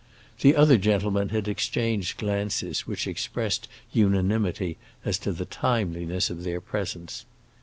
The other gentlemen had exchanged glances which expressed unanimity as to the timeliness of their presence.